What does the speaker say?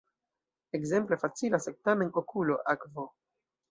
Ekzemple: "facila, sed, tamen, okulo, akvo".